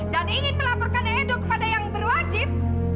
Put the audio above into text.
dan ingin melaporkan edo kepada yang berwajib